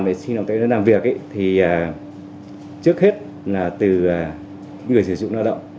vệ sinh làm việc thì trước hết là từ người sử dụng lao động